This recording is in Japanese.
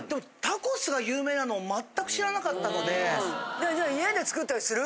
じゃあじゃあ家で作ったりする？